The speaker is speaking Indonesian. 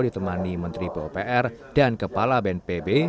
ditemani menteri pupr dan kepala bnpb